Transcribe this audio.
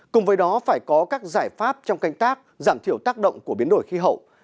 cùng với đó phải có các giải pháp trong canh tác giảm thiểu tác động của biến đổi khí hậu